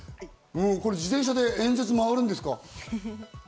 自転車で演説回るんですか？